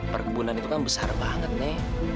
perkebunan itu kan besar banget nih